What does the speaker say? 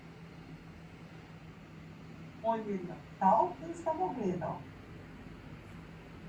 Mojmir je vstal in samo gledal.